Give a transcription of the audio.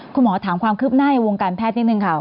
คุณหมอถามความคืบหน้าในวงการแพทย์นิดนึงค่ะ